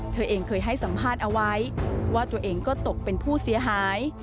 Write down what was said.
เธอเองเคยให้สัมภาษณ์เอาไว้ว่าตัวเองก็ตกเป็นผู้เสียหาย